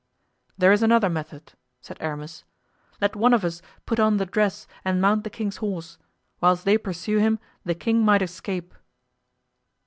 "There is another method," said Aramis. "Let one of us put on the dress and mount the king's horse. Whilst they pursue him the king might escape."